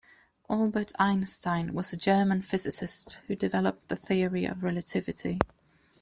Albert Einstein was a German physicist who developed the Theory of Relativity.